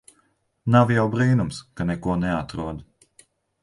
Nav jau brīnums ka neko neatrod.